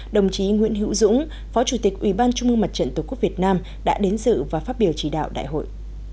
đồng chí nguyễn hữu dũng phó chủ tịch ubnd tqvn đã đến sự và phát biểu chỉ đạo đại hội